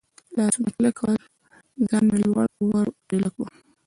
لاسونه کلک کړل، ځان مې لوړ ور ټېله کړ.